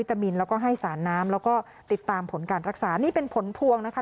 ตามินแล้วก็ให้สารน้ำแล้วก็ติดตามผลการรักษานี่เป็นผลพวงนะคะ